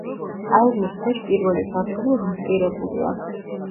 აივნის ქვეშ პირველი სართული რუსტირებულია.